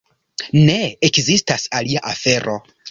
Ne: ekzistas alia afero.